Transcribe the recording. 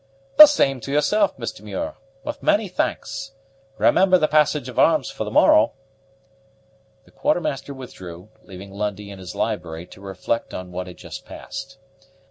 "The same to yourself, Mr. Muir, with many thanks. Remember the passage of arms for the morrow." The Quartermaster withdrew, leaving Lundie in his library to reflect on what had just passed.